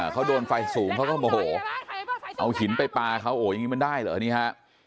เขาโดนไฟสูงเขาก็โมโหเอาหินไปปลาเขาโอ้อย่างนี้มันได้เหรอนี่ฮะ